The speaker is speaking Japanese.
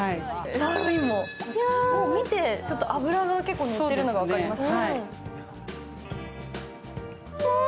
サーロインも、見て脂がのっているのが分かります。